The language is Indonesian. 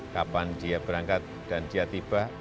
kapan dia berangkat dan dia tiba